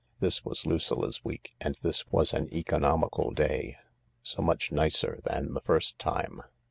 This was Lucilla 's week, and this was an economical day. " So much nicer than the first time."